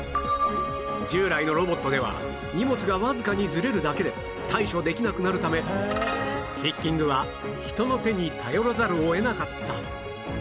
従来のロボットでは荷物がわずかにずれるだけで対処できなくなるためピッキングは人の手に頼らざるを得なかった